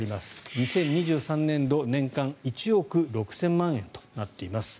２０２３年度年間１億６０００万円となっています。